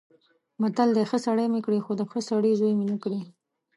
متل دی: ښه سړی مې کړې خو د ښه سړي زوی مې مه کړې.